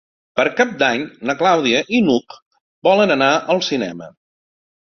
Per Cap d'Any na Clàudia i n'Hug volen anar al cinema.